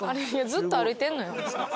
ずっと歩いてるのよ。